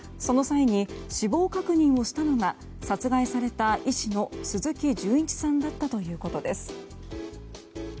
その際に、死亡確認をしたのが殺害された医師の鈴木純一さんだったということです。